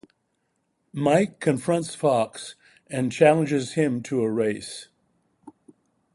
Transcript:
Mike confronts Fox and challenges him to a race.